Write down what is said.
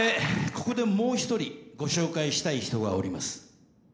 ここでもう一人ご紹介したい人がおります。